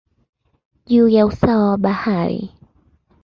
juu ya usawa wa bahari.